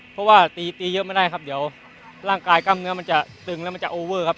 เพราะว่าตีตีเยอะไม่ได้ครับเดี๋ยวร่างกายกล้ามเนื้อมันจะตึงแล้วมันจะโอเวอร์ครับ